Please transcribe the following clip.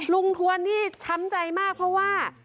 ทวนนี่ช้ำใจมากเพราะว่า